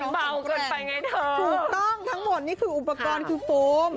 เบาเกินไปไงเธอถูกต้องทั้งหมดนี่คืออุปกรณ์คือโฟม